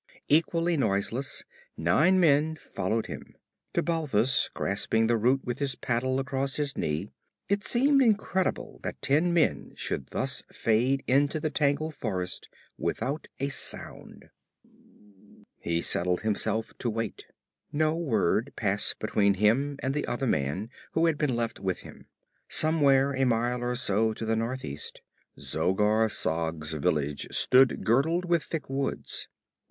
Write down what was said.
Equally noiseless, nine men followed him. To Balthus, grasping the root with his paddle across his knee, it seemed incredible that ten men should thus fade into the tangled forest without a sound. He settled himself to wait. No word passed between him and the other man who had been left with him. Somewhere, a mile or so to the northwest, Zogar Sag's village stood girdled with thick woods.